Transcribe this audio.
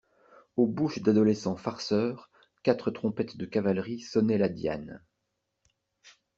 Aux bouches d'adolescents farceurs, quatre trompettes de cavalerie sonnaient la diane.